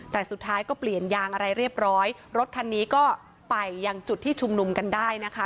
แต่สุดท้ายก็เปลี่ยนยางอะไรเรียบร้อยรถคันนี้ก็ไปยังจุดที่ชุมนุมกันได้นะคะ